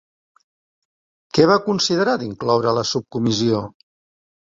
Què va considerar d'incloure la subcomissió?